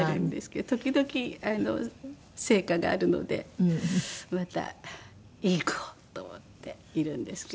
時々成果があるのでまたいい句を！と思っているんですけど。